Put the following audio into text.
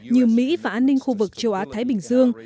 như mỹ và an ninh khu vực châu á thái bình dương